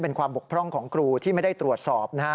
เป็นความบกพร่องของครูที่ไม่ได้ตรวจสอบนะฮะ